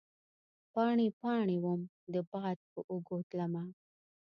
پاڼې ، پا ڼې وم د باد په اوږو تلمه